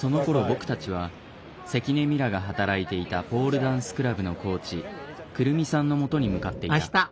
僕たちは関根ミラが働いていたポールダンスクラブのコーチくるみさんのもとに向かっていた。